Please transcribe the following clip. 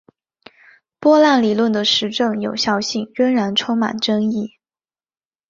波浪理论的实证有效性仍然充满争议。